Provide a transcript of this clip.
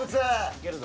いけるぞ。